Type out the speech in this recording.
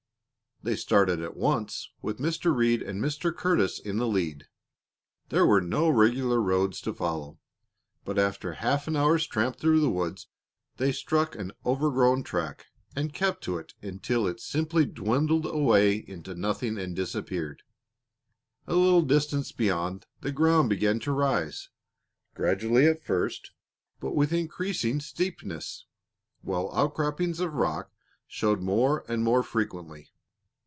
They started at once, with Mr. Reed and Mr. Curtis in the lead. There were no regular roads to follow, but after half an hour's tramp through the woods they struck an overgrown track, and kept to it until it simply dwindled away into nothing and disappeared. A little distance beyond, the ground began to rise, gradually at first, but with increasing steepness, while outcroppings of rock showed more and more frequently.